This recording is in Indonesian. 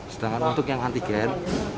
sedangkan untuk yang antigen